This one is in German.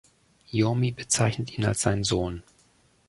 Iommi bezeichnet ihn als seinen Sohn.